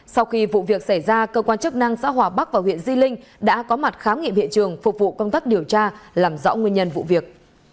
sau khi vụ việc xảy ra cơ quan chức năng xã hòa bắc và huyện di linh đã có mặt khám nghiệm hiện trường phục vụ công tác điều tra làm rõ nguyên nhân vụ việc